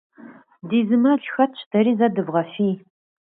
Ди зы мэл хэтщ, дэри зэ дывгъэфий.